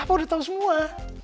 papa udah tau semua